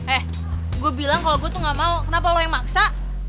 eh gue bilang kalau gue tuh gak mau kenapa lo yang maksa